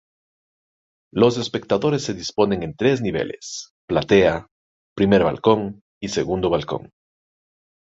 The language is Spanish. Los espectadores se disponen en tres niveles: platea, primer balcón y segundo balcón.